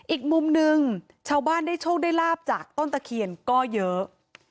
อีกมุมหนึ่งชาวบ้านได้โชคได้ลาบจากต้นตะเคียนก็เยอะ